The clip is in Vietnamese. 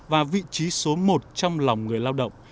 và vị trí số một trong lòng người lao động